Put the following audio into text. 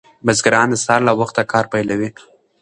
بزګران د سهار له وخته کار پیلوي.